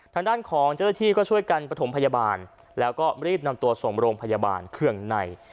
ทางด้านของเจ้าหน้าที่ก็ช่วยกันประถมพยาบาลแล้วก็รีบนำตัวส่งโรงพยาบาลเครื่องใน